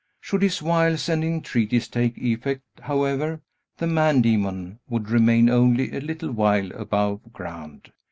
Should his wiles and entreaties take effect, however, the man demon would remain only a little while above ground.